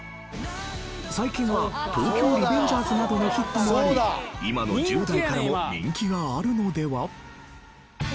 最近は『東京リベンジャーズ』などのヒットもあり今の１０代からも人気があるのでは？